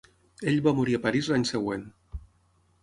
Ell va morir a Paris l'any següent.